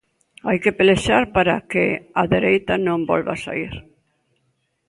Hai que pelexar para que a dereita non volva saír.